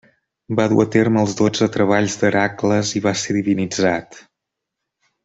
Va dur a terme els dotze treballs d'Hèracles i va ser divinitzat.